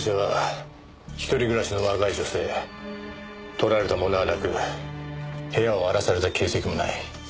盗られたものはなく部屋を荒らされた形跡もない。